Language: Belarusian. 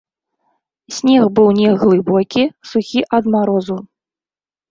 Снег быў не глыбокі, сухі ад марозу.